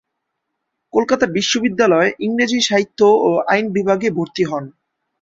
কলকাতা বিশ্ববিদ্যালয়ে ইংরেজি সাহিত্য ও আইন বিভাগে ভর্তি হন।